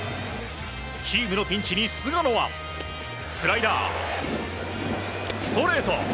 チームのピンチの菅野はスライダー、ストレート